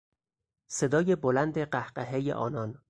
صدای بلند قهقههی آنها